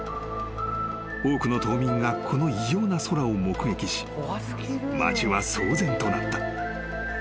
［多くの島民がこの異様な空を目撃し町は騒然となった］